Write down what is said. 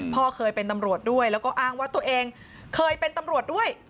พ่อเคยเป็นตำรวจด้วยแล้วก็อ้างว่าตัวเองเคยเป็นตำรวจด้วย